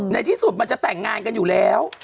ในที่สุดมันจะแต่งงานกันอยู่แล้ว